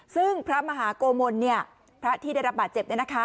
ซึ่งพระมหาโกมลพระที่ได้รับบาดเจ็บ